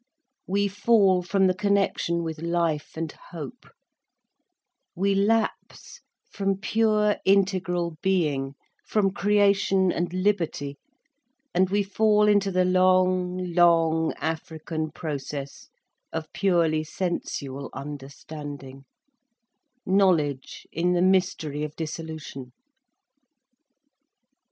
We fall from the connection with life and hope, we lapse from pure integral being, from creation and liberty, and we fall into the long, long African process of purely sensual understanding, knowledge in the mystery of dissolution.